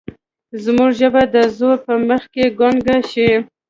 زموږ ژبه د زور په مخ کې ګونګه شي.